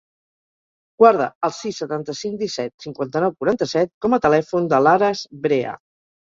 Guarda el sis, setanta-cinc, disset, cinquanta-nou, quaranta-set com a telèfon de l'Ares Brea.